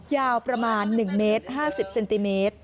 ยาวประมาณ๑เมตร๕๐เซนติเมตร